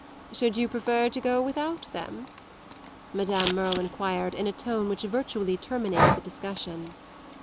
"Should you prefer to go without them?" Madame Merle enquired in a tone which virtually terminated the discussion.